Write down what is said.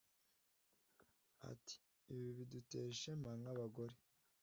Ati “Ibi bidutere ishema nk’abagore